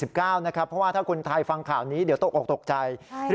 เพราะว่าถ้าคนไทยฟังข่าวนี้เดี๋ยวตกออกตกใจ